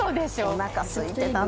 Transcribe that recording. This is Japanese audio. おなかすいてた。